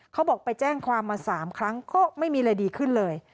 เขาบอกไปแจ้งความมา๓ครั้งก็ไม่มีอะไรดีขึ้นเลย